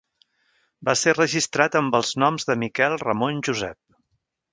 Va ser registrat amb els noms de Miquel Ramon Josep.